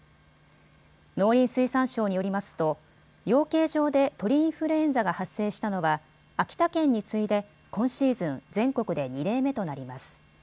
農林水産省によりますと養鶏場で鳥インフルエンザが発生したのは秋田県に次いで今シーズン、全国で２例目となります。